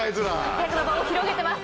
活躍の場を広げてます。